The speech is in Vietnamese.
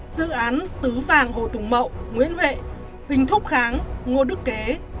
dự án tứ vàng hồ tùng mậu nguyễn huệ huỳnh thúc kháng ngô đức kế